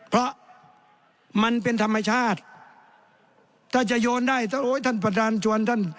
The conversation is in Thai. เพราะมันเป็นธรรมชาติถ้าจะโยนได้ถ้าโอ้ยท่านประธานชวนท่าน